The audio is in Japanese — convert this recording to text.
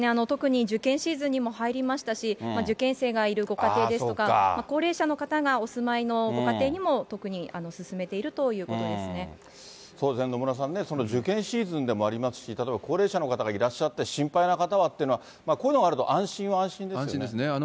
特に受験シーズンにも入りましたし、受験生がいるご家庭ですとか、高齢者の方がお住まいのご家庭にも特に勧めてそうですね、野村さんね、受験シーズンでもありますし、例えば、高齢者の方がいらっしゃって心配な方はっていうのは、こういうのがあると安心は安心ですよね。